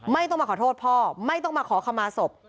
ไม่ต้องมาขอโทษพ่อไม่ต้องมาขอขมาศพ